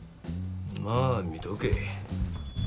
まあ見とけ。